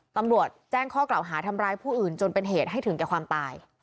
ตำรวจแจ้งข้อกล่าวหาทำร้ายผู้อื่นจนเป็นเหตุให้ถึงแก่ความตาย